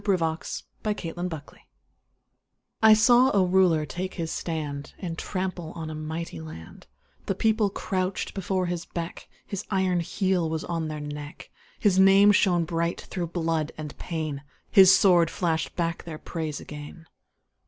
VERSE: THE THREE RULERS I saw a Ruler take his stand And trample on a mighty land; The People crouched before his beck, His iron heel was on their neck, His name shone bright through blood and pain, His sword flashed back their praise again.